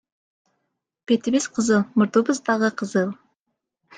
Бетибиз кызыл, мурдубуз дагы кызыл.